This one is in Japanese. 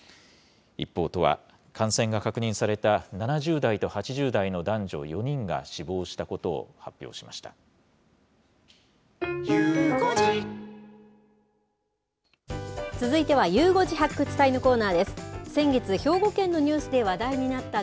一方、都は、感染が確認された７０代と８０代の男女４人が死亡したことを発表しました。